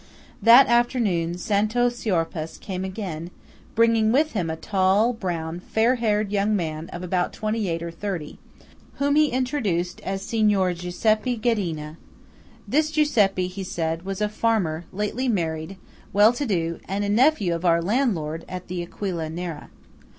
That afternoon, Santo Siorpaes came again, bringing with him a tall, brown, fair haired young man of about twenty eight or thirty, whom he introduced as "Signore Giuseppe Ghedina." This Giuseppe, he said, was a farmer, lately married, well to do, and a nephew of our landlord of the Aquila Nera.